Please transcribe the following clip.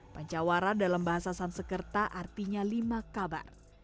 pancawara dalam bahasa sansekerta artinya lima kabar